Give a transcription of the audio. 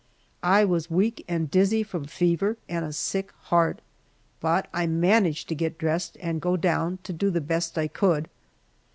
I was weak and dizzy from fever and a sick heart, but I managed to get dressed and go down to do the best I could.